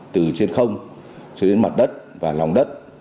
từ trên không cho đến mặt đất và lòng đất